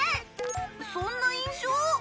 そんな印象？